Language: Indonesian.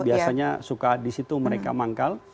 biasanya suka di situ mereka manggal